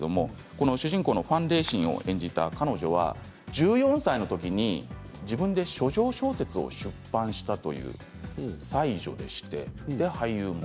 主人公のファン・レイシンを演じた彼女は、１４歳のときに自分で処女小説を出版したんです。